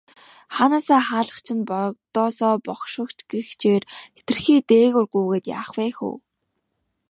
Хаанаасаа хаалгач нь, богдоосоо бошгоч нь гэгчээр хэтэрхий дээгүүр гүйгээд яах вэ хөө.